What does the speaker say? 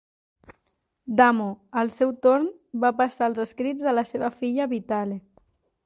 Damo, al seu torn, va passar els escrits a la seva filla Bitale.